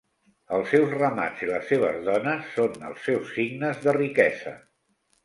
Els seus ramats i les seves dones són els seus signes de riquesa.